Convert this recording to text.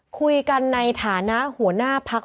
คุยกันในฐานะหัวหน้าพัก